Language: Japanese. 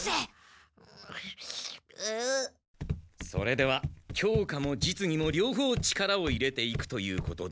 それでは教科も実技も両方力を入れていくということで。